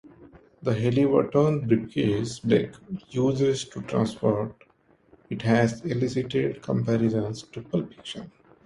The Haliburton briefcase Blake uses to transport it has elicited comparisons to "Pulp Fiction".